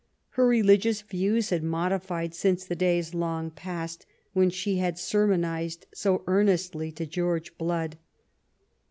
Her religious views had modified since the days long past when she had sermonized so earnestly to George Blood.